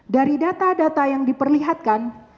dari data data yang diperlihatkan